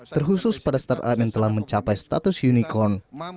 terkhusus pada startup yang telah mencapai status unicorn